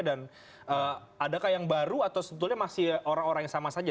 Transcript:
dan adakah yang baru atau masih orang orang yang sama saja